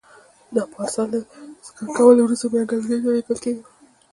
دا پارسل له سکن کولو وروسته بنګلادیش ته لېږل کېږي.